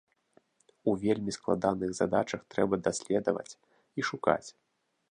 У вельмі складаных задачах трэба даследаваць і шукаць.